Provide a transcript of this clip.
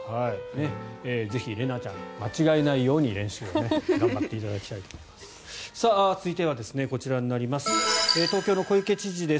ぜひレナちゃん間違えないように練習を頑張っていただきたいです。